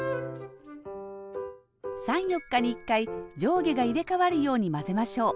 ３４日に１回上下が入れ代わるように混ぜましょう。